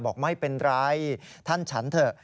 บอกไม่เป็นไรท่านฉันเถอะ